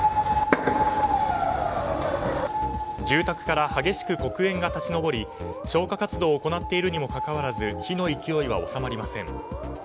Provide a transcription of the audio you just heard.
住宅から激しく黒煙が立ち上り消火活動を行っているにもかかわらず火の勢いは収まりません。